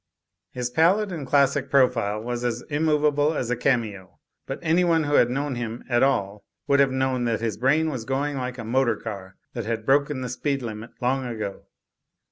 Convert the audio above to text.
His pallid and classic profile was as immovable as a cameo; but anyone who had known him at all would have known that his brain was going like a motor car that has broken the speed limit long ago.